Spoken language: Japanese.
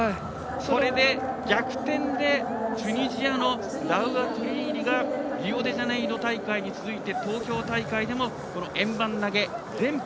これで逆転でチュニジアのラウア・トゥリーリがリオデジャネイロ大会に続いて東京大会でも円盤投げ連覇。